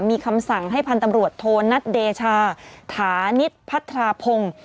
มีคำสั่งให้พันธ์ตำรวจโทนัทเดชาถานิตพัทราพงศ์